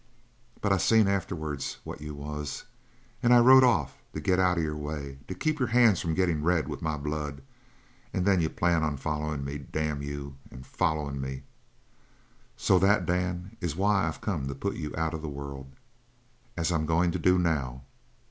But I seen afterwards what you was, and I rode off to get out of your way to keep your hands from gettin' red with my blood. And then you plan on follerin' me damn you! on follerin' me! "So that, Dan, is why I've come to put you out of the world as I'm goin' to do now!